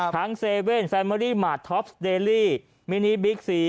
เซเว่นแฟเมอรี่มาร์ท็อปสเดลี่มินิบิ๊กซี